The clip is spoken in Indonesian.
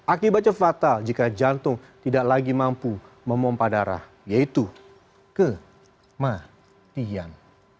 akibatnya fatal jika jantung tidak lagi mampu memompah darah yaitu kematian